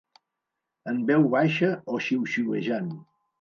En veu baixa o xiuxiuejant.